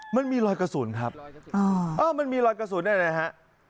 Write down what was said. มันมีรอยกระสุนครับมันมีรอยกระสุนอะไรนะฮะ